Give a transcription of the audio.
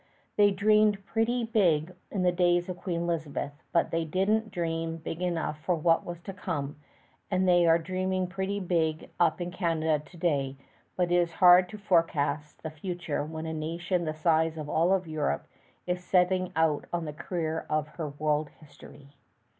They dreamed pretty big in the days of Queen Elizabeth, but they did n't dream big enough for what was to come; and they are dreaming pretty big up in Canada to day, but it is hard to forecast the future when a nation the size of all Europe is setting out on the career of her world history.